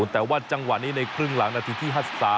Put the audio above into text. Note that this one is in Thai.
แต่ว่าจังหวะนี้ในครึ่งหลังนาทีที่๕๓